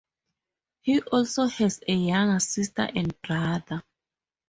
He also has a younger sister and brother.